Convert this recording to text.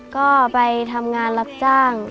ก็ไปทำงานรับจ้าง